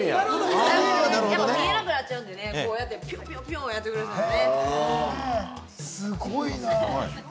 見えなくなっちゃうんで、こうやってピヨピヨピヨって、やってくれてます。